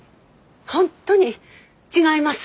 本当に違います。